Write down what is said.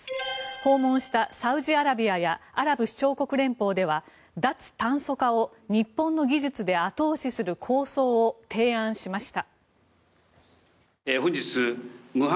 訪問したサウジアラビアやアラブ首長国連邦では脱炭素化を日本の技術で後押しする構想を提案しました。